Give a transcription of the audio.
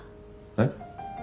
えっ？